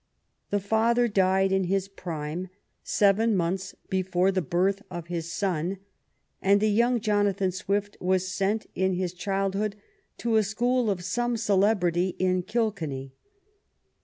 The father died in his prime seven months after the birth of his son, and the young Jonathan Swift was sent in his childhood to a school of some celebrity in Kilkenny.